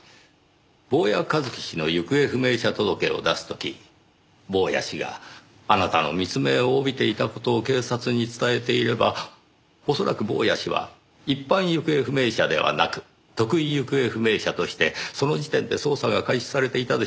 坊谷一樹氏の行方不明者届を出す時坊谷氏があなたの密命を帯びていた事を警察に伝えていれば恐らく坊谷氏は一般行方不明者ではなく特異行方不明者としてその時点で捜査が開始されていたでしょう。